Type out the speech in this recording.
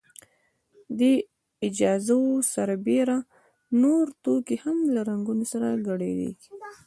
دې اجزاوو سربېره نور توکي هم له رنګونو سره ګډیږي.